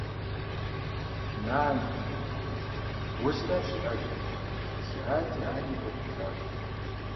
Нанэ… Уэ зыращ сиӀэжыр, си ади ани кӀуэдыжащ.